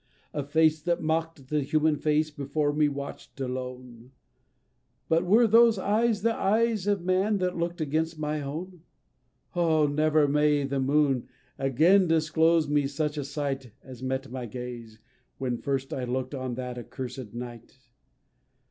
A face, that mock'd the human face, before me watch'd alone; But were those eyes the eyes of man that look'd against my own? Oh! never may the moon again disclose me such a sight As met my gaze, when first I look'd, on that accursed night!